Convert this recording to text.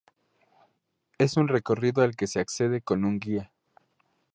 Es un recorrido al que se accede con un guía.